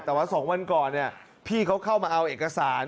แต่ว่า๒วันก่อนพี่เขาเข้ามาเอาเอกสาร